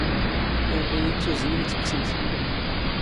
ⴰⵢⵍⵍⵉ ⵉⵢⵉ ⴷ ⵜⵓⵣⵏⵎⵜ, ⴽⴽⵙⵏ ⵜ.